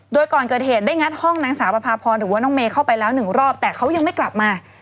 โดยก่อนเกิดเหตุได้งัดห้องนางสาวประพาพรหรือว่าน้องเมย์เข้าไปแล้วหนึ่งรอบแต่เขายังไม่กลับมา